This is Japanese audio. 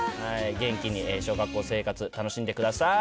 元気に小学校生活、楽しんでください。